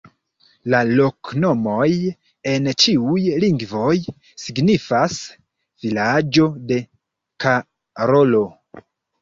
La loknomoj en ĉiuj lingvoj signifas: "Vilaĝo de Karolo".